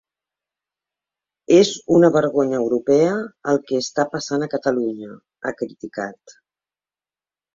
És una vergonya europea el que està passant a Catalunya, ha criticat.